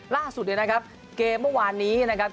ล่าสุดเนี่ยนะครับเกมเมื่อวานนี้นะครับ